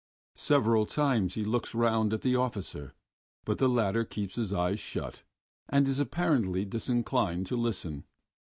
Several times he looks round at the officer, but the latter keeps his eyes shut and is apparently disinclined to listen.